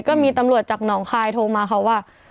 ก็มีตำรวจจากหนองคายโทรมาเขาว่า